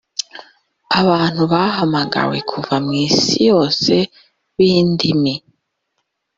abantu bahamagawe kuva mu isi yose b indimi